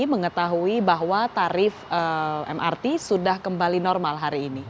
mengetahui bahwa tarif mrt sudah kembali normal hari ini